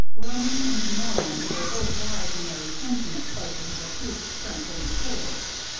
Roman and Norman were both wise in their retention of places of approved strength or utility.